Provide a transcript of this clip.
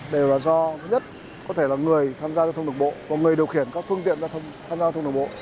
đều là do thứ nhất có thể là người tham gia giao thông đường bộ và người điều khiển các phương tiện giao thông đường bộ